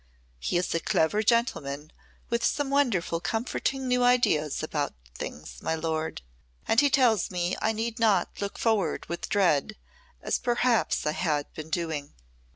He is a clever gentleman with some wonderful comforting new ideas about things, my lord. And he tells me I need not look forward with dread as perhaps I had been doing."